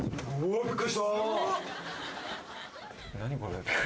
びっくりした！？